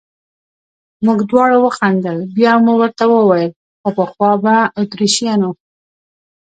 موږ دواړو وخندل، بیا مې ورته وویل: خو پخوا به اتریشیانو.